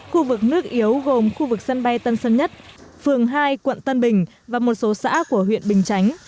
khu vực nước yếu gồm khu vực sân bay tân sơn nhất phường hai quận tân bình và một số xã của huyện bình chánh